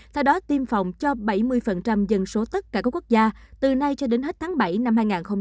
theo đó tiêm phòng cho bảy mươi dân số tất cả các quốc gia từ nay cho đến hết tháng bảy năm hai nghìn hai mươi